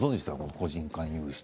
個人間融資。